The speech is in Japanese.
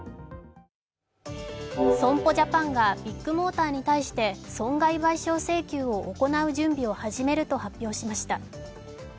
損保ジャパンがビッグモーターに対して損害賠償請求を行う準備を始めると発表しました。